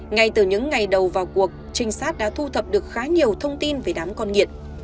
ngay từ những ngày đầu vào cuộc trinh sát đã thu thập được khá nhiều thông tin về đám con nghiện